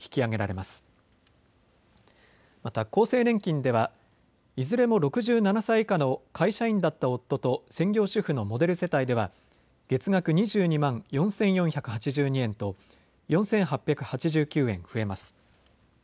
また、厚生年金ではいずれも６７歳以下の会社員だった夫と専業主婦のモデル世帯では月額２２万４４８２円と４８８９円増えます。